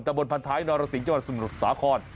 จับบนพันธุ์ไทยนรสิงห์จังหวัดสมุทรสาขอนด์